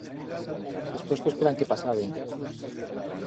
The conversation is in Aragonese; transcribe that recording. Es puestos per an que pasaben.